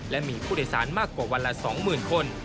และมีผู้โดยสารมากกว่าวันละ๒๐๐๐คน